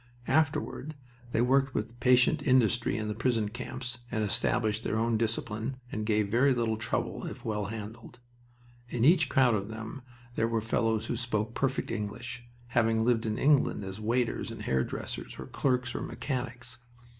Afterward they worked with patient industry in the prison camps and established their own discipline, and gave very little trouble if well handled. In each crowd of them there were fellows who spoke perfect English, having lived in England as waiters and hairdressers, or clerks or mechanics.